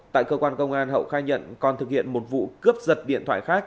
tại cơ quan công an hậu khai nhận còn thực hiện một vụ cướp giật điện thoại khác